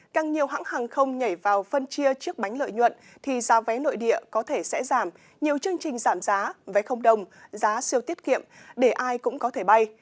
càng nhiều hãng hàng không nhảy vào phân chia trước bánh lợi nhuận thì giá vé nội địa có thể sẽ giảm nhiều chương trình giảm giá vé không đồng giá siêu tiết kiệm để ai cũng có thể bay